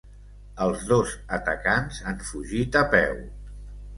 Els dos atacants han fugit a peu.